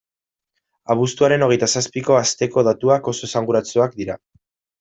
Abuztuaren hogeita zazpiko asteko datuak oso esanguratsuak dira.